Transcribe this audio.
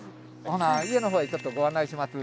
ほな家の方へちょっとご案内します。